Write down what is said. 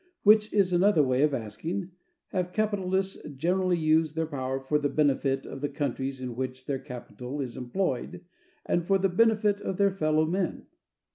which is another way of asking, Have capitalists generally used their power for the benefit of the countries in which their capital is employed and for the benefit of their fellow men?